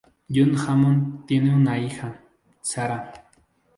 John Hammond tiene una hija, Sara.